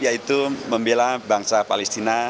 yaitu membela bangsa palestina